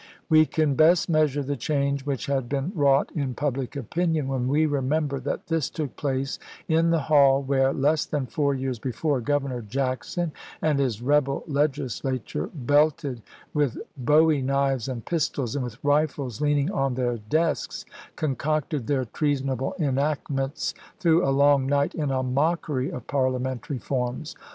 We can best measure the change which had been wrought in public opinion, when we remember that this took place in the hall where, less than four years before, Governor Jackson and his rebel Legislature, belted with bowie knives and pistols, and with rifles leaning on their desks, concocted their treasonable enactments, through a long night, in a mockery of parliamentary forms.